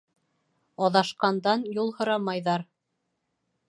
Аҙашҡандан юл һорамайҙар.